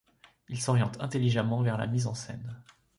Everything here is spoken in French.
Il s'oriente intelligemment vers la mise en scène.